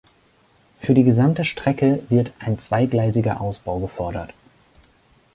Für die gesamte Strecke wird ein zweigleisiger Ausbau gefordert.